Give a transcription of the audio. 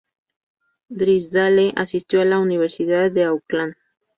Drysdale asistió a la Universidad de Auckland.